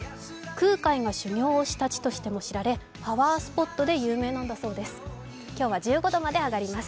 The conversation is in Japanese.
空海が修行をした地としても知られパワースポットで有名なんだそうです。